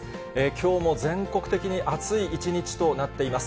きょうも全国的に暑い一日となっています。